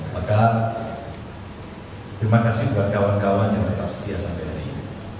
maka terima kasih buat kawan kawan yang tetap setia sampai hari ini